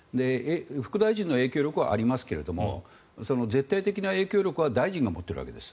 副大臣の影響力はありますけど絶対的な影響力は大臣が持っているわけです。